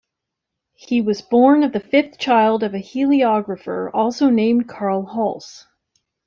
He was born the fifth child of a heliographer also named Karl Holz.